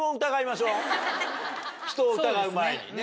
人を疑う前にね。